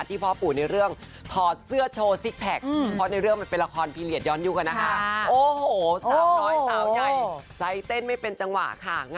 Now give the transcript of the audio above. ที่พ่อปู่ในเรื่องถอดเสื้อช่วยซิกแผล็ก